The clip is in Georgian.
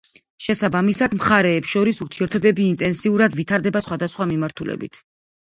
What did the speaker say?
შესაბამისად, მხარეებს შორის ურთიერთობები ინტენსიურად ვითარდება სხვადასხვა მიმართულებით.